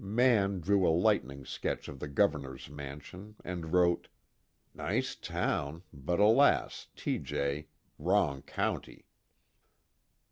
Mann drew a lightning sketch of the Governor's mansion, and wrote: _Nice town, but alas, T. J., wrong county!